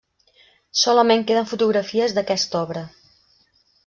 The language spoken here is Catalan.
Solament queden fotografies d'aquesta obra.